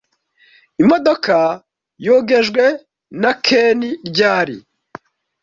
Imodoka yogejwe na Ken ryari?